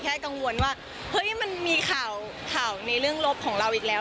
กังวลว่าเฮ้ยมันมีข่าวในเรื่องลบของเราอีกแล้ว